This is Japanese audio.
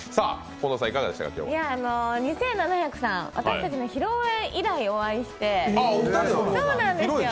２７００さん、私たちの披露宴以来にお会いして。